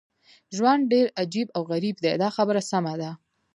ژوند ډېر عجیب او غریب دی دا خبره سمه ده.